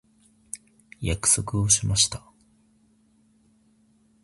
約束をしました。